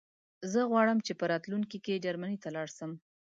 زه غواړم چې په راتلونکي کې جرمنی ته لاړ شم